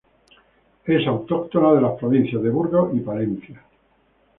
Es autóctona de las provincias de Burgos y Palencia.